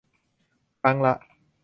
ครั้งละ